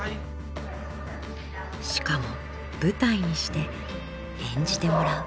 しかも舞台にして演じてもらう。